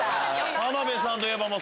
田辺さんといえば。